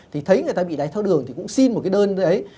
thì thấy người ta bị đáy tháo đường thì cũng xin một cái đơn đấy